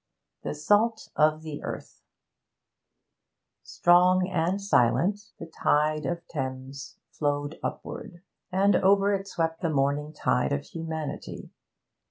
THE SALT OF THE EARTH Strong and silent the tide of Thames flowed upward, and over it swept the morning tide of humanity.